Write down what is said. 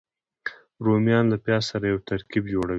رومیان له پیاز سره یو ترکیب جوړوي